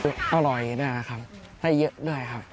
คืออร่อยด้วยนะครับให้เยอะด้วยครับ